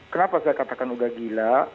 kenapa saya katakan udah gila